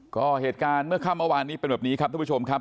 ก็เหตุการณ์เมื่อค่ำเมื่อวานนี้เป็นแบบนี้ครับทุกผู้ชมครับ